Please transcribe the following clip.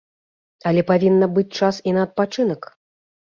Але павінна быць час і на адпачынак.